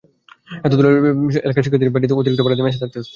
এতে দূরের এলাকার শিক্ষার্থীদের বাইরে অতিরিক্ত ভাড়া দিয়ে মেসে থাকতে হচ্ছে।